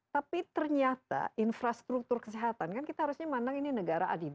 tapi ternyata infrastruktur kesehatan kan kita harusnya mandang ini negara adida